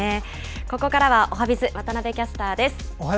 ここからはおはＢｉｚ、渡部キャスターです。